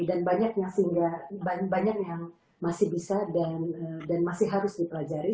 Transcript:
dan banyaknya sehingga banyak yang masih bisa dan masih harus dipelajari